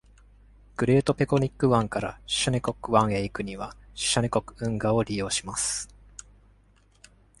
グレートペコニック湾から Shinnecock 湾へ行くには Shinnecock 運河を利用します。